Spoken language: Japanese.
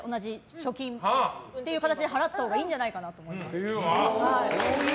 貯金っていう形で払ったほうがいいんじゃないかと思います。